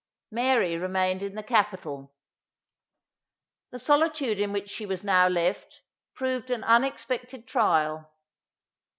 Mary remained in the capital. The solitude in which she was now left, proved an unexpected trial.